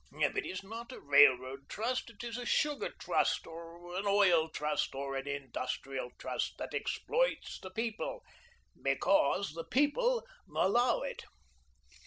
If it is not a railroad trust, it is a sugar trust, or an oil trust, or an industrial trust, that exploits the People, BECAUSE THE PEOPLE ALLOW IT.